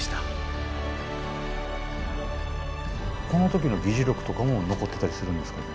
この時の議事録とかも残ってたりするんですかね？